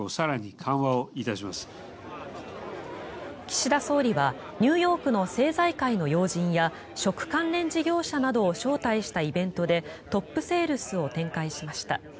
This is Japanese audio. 岸田総理はニューヨークの政財界の要人や食関連事業者などを招待したイベントでトップセールスを展開しました。